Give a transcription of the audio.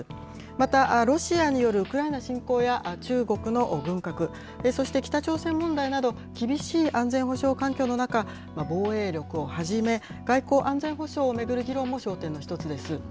またロシアによるウクライナ侵攻や、中国の軍拡、そして北朝鮮問題など、厳しい安全保障環境の中、防衛力をはじめ、外交・安全保障を巡る議論も焦点の一つです。